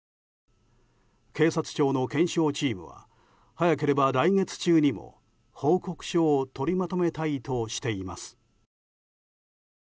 警察庁の検証チームは早ければ来月中にも報告書を取りまとめたいとしています。